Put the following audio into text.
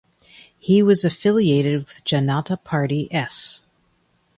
He was affiliated with Janata Party (S).